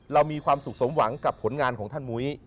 เรามีความสุขสมหวังกับผลงานของท่านมุ้ย